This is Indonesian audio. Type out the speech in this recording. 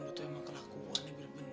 itu emang kelakuan ya benar